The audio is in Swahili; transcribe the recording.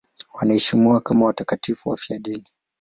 Wanaheshimiwa kama watakatifu wafiadini.